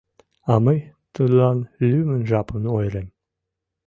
— А мый тудлан лӱмын жапым ойырем.